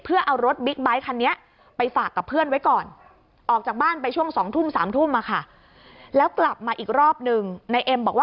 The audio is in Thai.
เพื่อเอารถบิ๊กไบท์คันนี้ไปฝากกับเพื่อนไว้ก่อน